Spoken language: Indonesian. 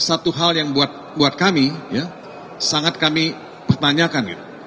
itu hal yang buat kami ya sangat kami pertanyakan gitu